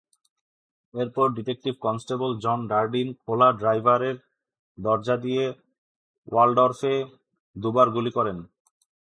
এরপর detective constable John Jardine খোলা ড্রাইভারের দরজা দিয়ে ওয়ালডর্ফে দুবার গুলি করেন।